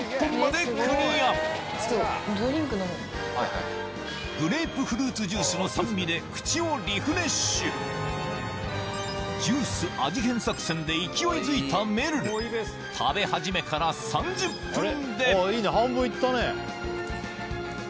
この後グレープフルーツジュースの酸味で口をリフレッシュジュース味変作戦で勢いづいためるる食べ始めから３０分で